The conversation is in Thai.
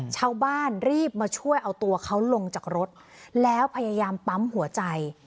ชาวบ้านรีบมาช่วยเอาตัวเขาลงจากรถแล้วพยายามปั๊มหัวใจ